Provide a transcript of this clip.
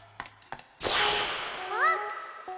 あっ。